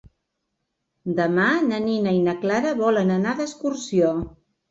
Demà na Nina i na Clara volen anar d'excursió.